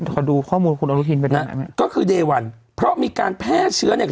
ขอดูข้อมูลคุณอนุทินไปนะก็คือเดวันเพราะมีการแพร่เชื้อเนี่ย